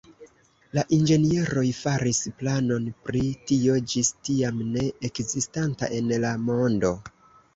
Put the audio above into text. La inĝenieroj faris planon pri tio ĝis tiam ne ekzistanta en la mondo.